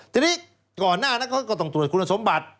ทีนี้ก่อนหน้านั้นเขาก็ต้องตรวจคุณสมบัติ